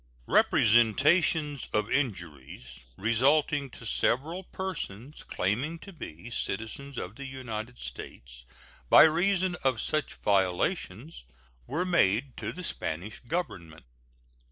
Representations of injuries resulting to several persons claiming to be citizens of the United States by reason of such violations were made to the Spanish Government.